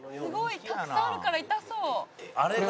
たくさんあるから痛そう」